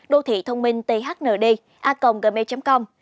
đô thị thông minh thnd a gmail com